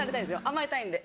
甘えたいんで。